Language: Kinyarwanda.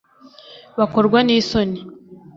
Bakorwa n isoni